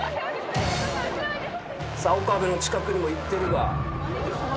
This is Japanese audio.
岡部の近くにも行ってるが。